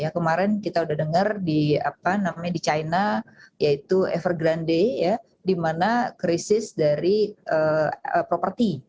kemarin kita udah dengar di china yaitu evergrande di mana krisis dari properti